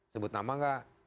sebut nama nggak